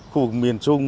khu vực miền trung